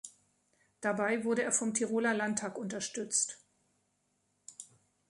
Dabei wurde er vom Tiroler Landtag unterstützt.